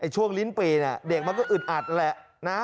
ช่วงลิ้นปีเด็กมันก็อึดอัดแหละนะ